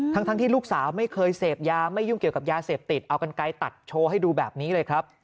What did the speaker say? ทั้งที่ลูกสาวไม่เคยเสพยาไม่ยุ่งเกี่ยวกับยาเสพติดเอากันไกลตัดโชว์ให้ดูแบบนี้เลยครับ